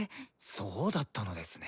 そうだったのですね。